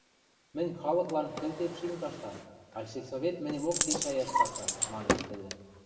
— Мӹнь халыклан кӹлтем шин каштам, а сельсовет мӹньӹмок лишӓйӓш цаца, — манеш тӹдӹ.